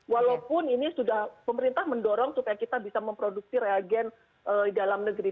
walaupun pemerintah sudah mendorong supaya kita bisa memproduksi reagen di dalam negeri